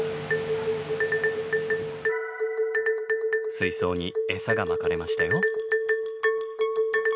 水槽にエサがまかれましたよ。